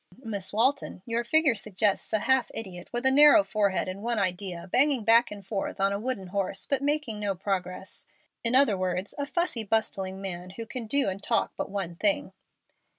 "Miss Walton, your figure suggests a half idiot, with a narrow forehead and one idea, banging back and forth on a wooden horse, but making no progress in other words, a fussy, bustling man who can do and talk but one thing."